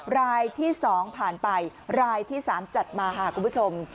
รายที่๒ผ่านไปรายที่๓จัดมาค่ะคุณผู้ชม